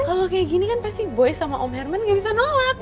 kalau kayak gini kan pasti boy sama om herman gak bisa nolak